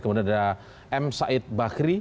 kemudian ada m said bakri